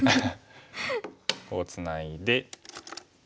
こうツナいで。